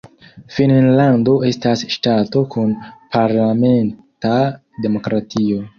Finnlando estas ŝtato kun parlamenta demokratio.